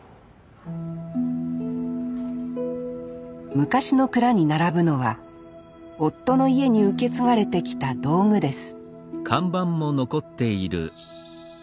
昔の蔵に並ぶのは夫の家に受け継がれてきた道具です